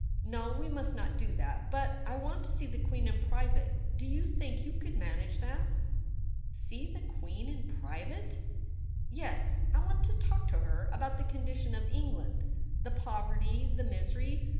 No ; we must not do that. But I want to see the Queen in private ; do you think you could manage that ?'' See the Queen in private ?'' Yes ; I want to talk to her about the condition of England — the poverty, the misery